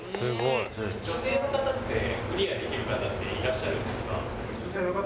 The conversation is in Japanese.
ちなみに女性の方ってクリアできる方っていらっしゃるんですか？